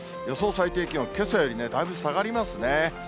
最低気温、けさよりだいぶ下がりますね。